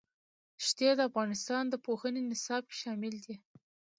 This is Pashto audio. ښتې د افغانستان د پوهنې نصاب کې شامل دي.